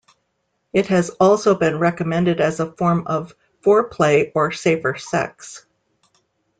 It has also been recommended as a form of foreplay or safer sex.